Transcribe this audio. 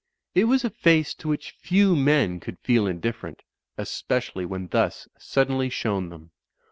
It was a face to which few men could feel indifferent, especially when thus suddenly shown them.